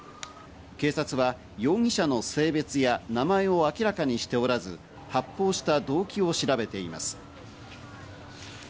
警察は容疑者の性別や名前を明らかにしておらず、発砲した動機を調べています。